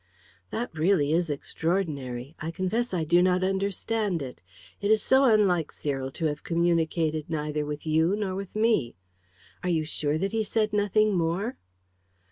"That really is extraordinary. I confess I do not understand it. It is so unlike Cyril to have communicated neither with you nor with me. Are you sure that he said nothing more?"